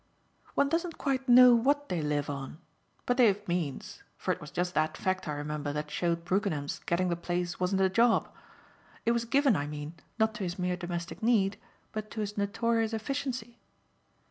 "One doesn't quite know what they live on. But they've means for it was just that fact, I remember, that showed Brookenham's getting the place wasn't a job. It was given, I mean, not to his mere domestic need, but to his notorious efficiency.